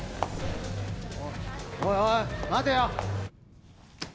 おいおい待てよ！